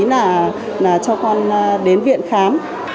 là cho con đến viện khám